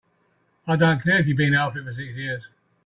I don't care if you've been after it for six years!